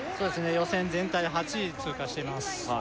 予選全体で８位で通過しています